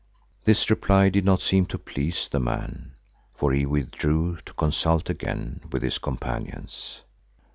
This reply did not seem to please the man for he withdrew to consult again with his companions.